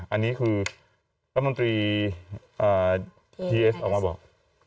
อันนี้คือรัฐมนตรีพีเอสออกมาบอก